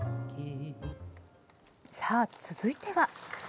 さあ、続いては。